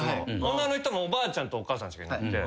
女の人おばあちゃんとお母さんしかいなくて。